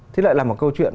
thế lại là một câu chuyện